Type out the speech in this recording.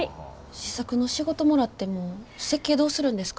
試作の仕事もらっても設計どうするんですか？